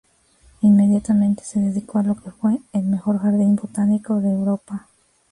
Inmediatamente se dedicó a lo que fue el mejor jardín botánico de Europa.